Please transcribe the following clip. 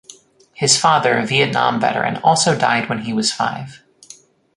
His father, a Vietnam veteran, also died when he was five.